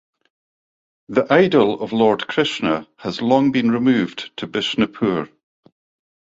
The idol of Lord Krishna has long been removed to Bishnupur.